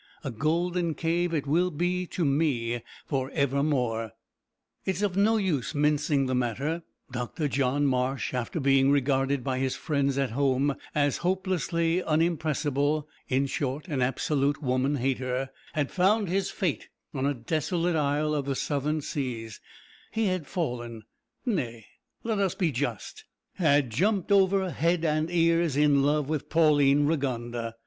"A golden cave it will be to me for evermore!" It is of no use mincing the matter; Dr John Marsh, after being regarded by his friends at home as hopelessly unimpressible in short, an absolute woman hater had found his fate on a desolate isle of the Southern seas, he had fallen nay, let us be just had jumped over head and ears in love with Pauline Rigonda!